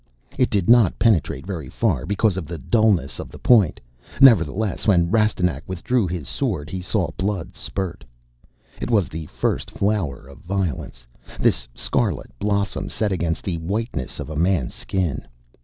It did not penetrate very far because of the dullness of the point. Nevertheless, when Rastignac withdrew his sword he saw blood spurt. It was the first flower of violence, this scarlet blossom set against the whiteness of a Man's skin.